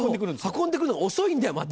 運んでくるのが遅いんだよまた。